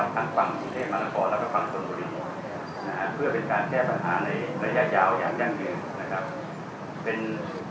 ทั้งฟังสินเทศมันกรและฟังสนบุรีเพื่อเป็นการแก้ปัญหาในระยะยาวอย่างยั่งหนึ่ง